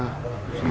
pakai benny sewera